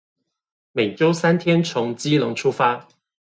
每週三天從基隆出發